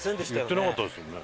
言ってなかったですよね。